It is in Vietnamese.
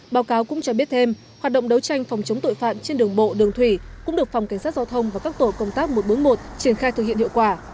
báo cáo cũng cho biết thêm hoạt động đấu tranh phòng chống tội phạm trên đường bộ đường thủy cũng được phòng cảnh sát giao thông và các tổ công tác một trăm bốn mươi một triển khai thực hiện hiệu quả